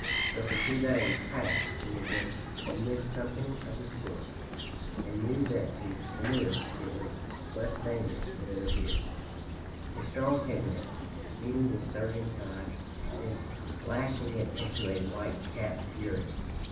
But for two days past, we had been amidst something of the sort, and knew that to cautious canoeists it was less dangerous than it appeared. A strong head wind, meeting this surging tide, is lashing it into a white capped fury.